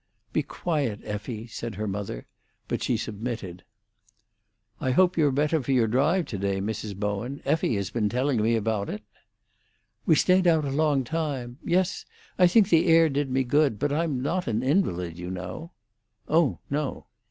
"Be quiet, Effie," said her mother, but she submitted. "I hope you're better for your drive to day, Mrs. Bowen. Effie has been telling me about it." "We stayed out a long time. Yes, I think the air did me good; but I'm not an invalid, you know." "Oh no."